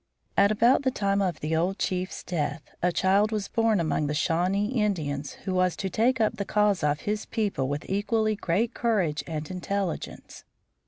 At about the time of the old chief's death a child was born among the Shawnee Indians who was to take up the cause of his people with equally great courage and intelligence.